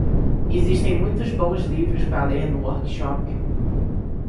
Existem muitos bons livros para ler no workshop.